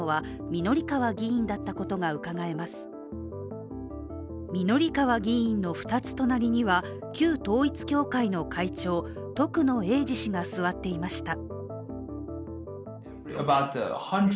御法川議員の２つ隣には、旧統一教会の会長、徳野英治氏が座っていました。